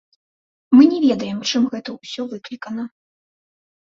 Мы не ведаем, чым гэта ўсё выклікана.